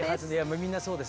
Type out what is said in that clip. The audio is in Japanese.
みんなそうです。